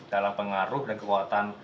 dalam pengaruh dan kekuatan